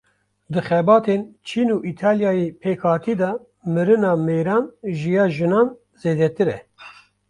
Di xebatên Çîn û Îtalyayê pêkhatî de mirina mêran ji ya jinan zêdetir e.